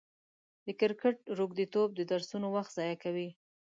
د کرکټ روږديتوب د درسونو وخت ضايع کوي.